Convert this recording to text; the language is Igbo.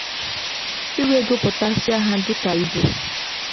i wee gụpụtasịa ha dịka Igbo